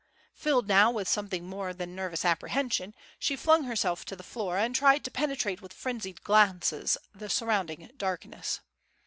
Filled now with something more than nervous apprehension, she flung herself to the floor, and tried to penetrate with frenzied glances, the surrounding darkness.